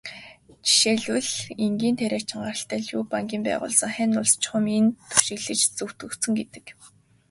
Жишээлбэл, энгийн тариачин гаралтай Лю Бангийн байгуулсан Хань улс чухам энд түшиглэж зөвтгөгдсөн гэдэг.